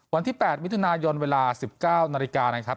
วันที่๘มิถุนายนเวลา๑๙นาฬิกานะครับ